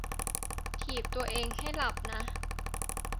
ถีบตัวเองให้หลับนะ